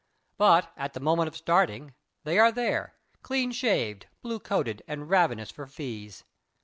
But, at the moment of starting, they are there, clean shaved, blue coated, and ravenous for fees.